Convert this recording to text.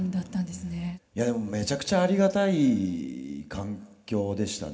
いやでもめちゃくちゃありがたい環境でしたね。